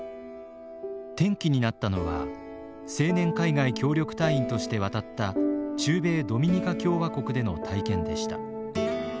転機になったのは青年海外協力隊員として渡った中米ドミニカ共和国での体験でした。